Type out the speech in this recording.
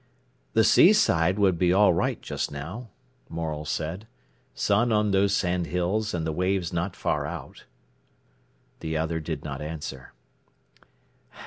"The seaside would be all right just now," Morel said. "Sun on those sandhills, and the waves not far out." The other did not answer.